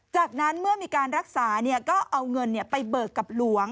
จากนั้นเมื่อมีการรักษาก็เอาเงินไปเบิกกับหลวง